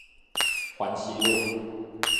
環西路